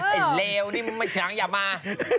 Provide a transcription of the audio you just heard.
ไอ้เลวนี่มันมาที่นั้นอย่ามา